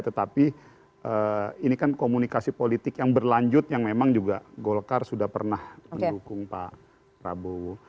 tetapi ini kan komunikasi politik yang berlanjut yang memang juga golkar sudah pernah mendukung pak prabowo